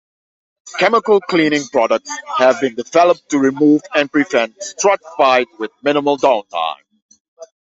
Chemical cleaning products have been developed to remove and prevent struvite with minimal downtime.